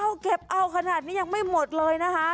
เอาเก็บเอาขนาดนี้ยังไม่หมดเลยนะคะ